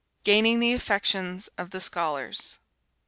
GAINING THE AFFECTIONS OF THE SCHOLARS.